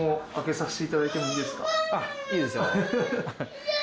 あいいですよ。